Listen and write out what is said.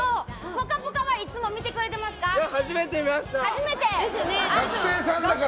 「ぽかぽか」はいつも見てくれてますか？